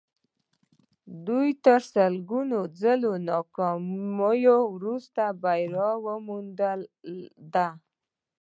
دوی تر سلګونه ځله ناکامیو وروسته بریا موندلې ده